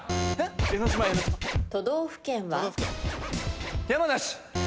都道府県は？山梨。